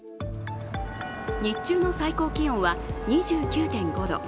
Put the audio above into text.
日中の最高気温は２９．５度。